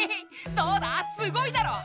どうだすごいだろう！